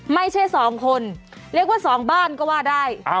ไม่ใช่๒คนเรียกว่า๒บ้านก็ว่าได้